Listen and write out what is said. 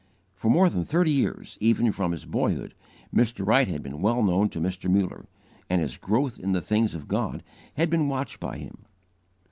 For more than thirty years, even from his boyhood, Mr. Wright had been well known to Mr. Muller, and his growth in the things of God had been watched by him.